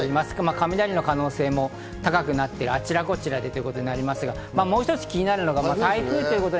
雷の可能性も高くなって、あちらこちらでということになりますが、もう一つ気になるのが台風です。